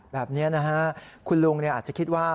แบบนี้นะฮะคุณลุงอาจจะคิดว่า